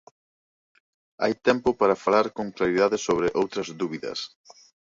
Hai tempo para falar con claridade sobre outras dúbidas.